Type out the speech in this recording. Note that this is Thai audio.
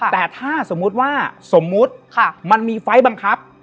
แต่ถ้าสมมุติว่าสมมุติมันมีไฟล์บังคับ